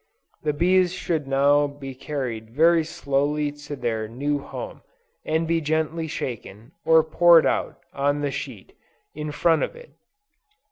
The bees should now be carried very slowly to their new home, and be gently shaken, or poured out, on the sheet, in front of it.